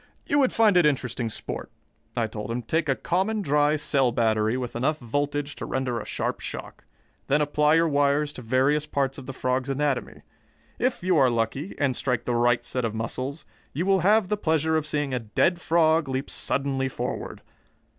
"You would find it interesting sport," I told him. "Take a common dry cell battery with enough voltage to render a sharp shock. Then apply your wires to various parts of the frog's anatomy. If you are lucky, and strike the right set of muscles, you will have the pleasure of seeing a dead frog leap suddenly forward.